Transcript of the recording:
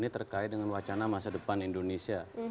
ini terkait dengan wacana masa depan indonesia